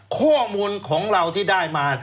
ข้อมูลของเราที่ได้มา